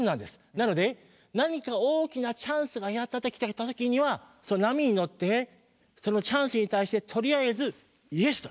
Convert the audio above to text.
なので何か大きなチャンスがやって来た時にはその波に乗ってそのチャンスに対してとりあえず「ＹＥＳ」と言う。